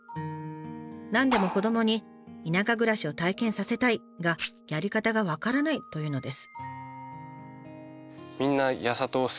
なんでも子どもに田舎暮らしを体験させたいがやり方が分からないというのです。